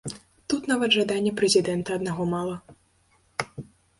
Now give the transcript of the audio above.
Тут нават жадання прэзідэнта аднаго мала.